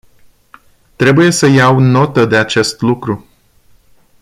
Trebuie să iau notă de acest lucru.